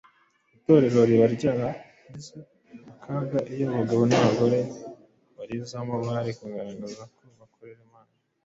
Itorero riba ryaragize akaga iyo abagabo n’abagore barizagamo bari kugaragaza ko bakorera Imana